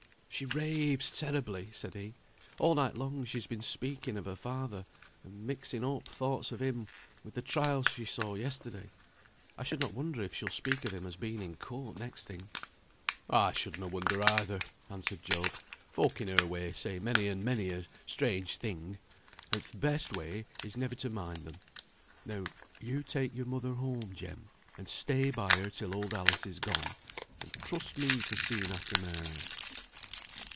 "She raves terribly," said he. "All night long she's been speaking of her father, and mixing up thoughts of him with the trial she saw yesterday. I should not wonder if she'll speak of him as being in court next thing." "I should na wonder, either," answered Job. "Folk in her way say many and many a strange thing; and th' best way is never to mind them. Now you take your mother home, Jem, and stay by her till old Alice is gone, and trust me for seeing after Mary."